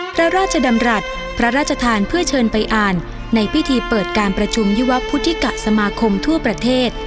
พระราชดำรัฐพระราชทานเพื่อเชิญไปอ่านในพิธีเปิดการประชุมยุวพุทธิกษสมาคมทั่วประเทศ